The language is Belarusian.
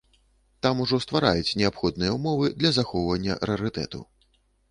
Там ужо ствараюць неабходныя ўмовы для захоўвання рарытэту.